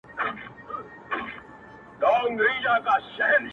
د دوستۍ درته لرمه پیغامونه-